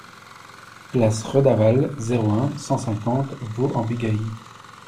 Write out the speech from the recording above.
Place Redavalle, zéro un, cent cinquante Vaux-en-Bugey